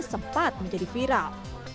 sempat menjadi viral